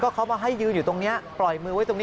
เขามาให้ยืนอยู่ตรงนี้ปล่อยมือไว้ตรงนี้